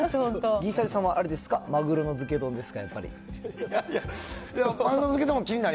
銀シャリさんはあれですか、マグロの漬け丼ですか、やっぱり。